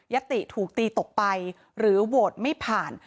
ติถูกตีตกไปหรือโหวตไม่ผ่าน